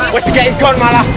wess dikai ikon malah